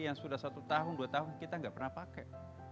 yang sudah satu tahun dua tahun kita nggak pernah pakai